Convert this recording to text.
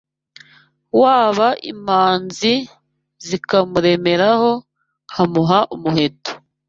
Waba imanzi zikamuremeraho nkamuha umuheto